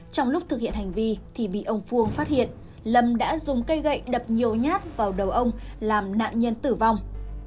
trong lúc thực hiện hành vi thì bị ông phương phát hiện lâm đã dùng cây gậy đập nhiều nhát vào đầu ông làm nạn nhân tử vong